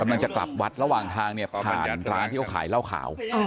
กำลังจะกลับวัดระหว่างทางเนี่ยผ่านร้านที่เขาขายเหล้าขาว